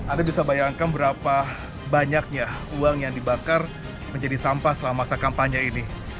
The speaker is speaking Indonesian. anda bisa bayangkan berapa banyaknya uang yang dibakar menjadi sampah selama masa kampanye ini